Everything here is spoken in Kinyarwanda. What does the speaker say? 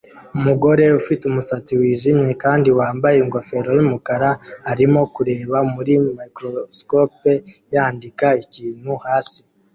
Umugore ufite umusatsi wijimye kandi wambaye ingofero yumukara arimo kureba muri microscope yandika ikintu hasi